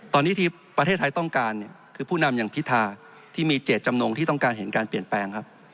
ตอนนี้ที่ประเทศไทยต้องการคือผู้นำอย่างพิธาที่มีเจตจำนงที่ต้องการเห็นการเปลี่ยนแปลงครับ